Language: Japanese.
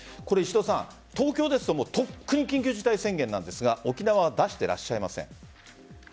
石戸さん、東京ですととっくに緊急事態宣言なんですが沖縄は出していらっしゃいません。